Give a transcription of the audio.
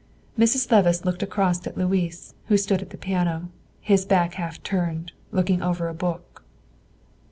Mrs. Levice looked across at Louis, who stood at the piano, his back half turned, looking over a book.